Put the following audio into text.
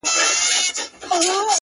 د چا د زړه ازار يې په څو واره دی اخيستی،